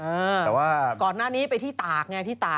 เพราะว่าตอนนี้ก็ไม่มีใครไปข่มครูฆ่า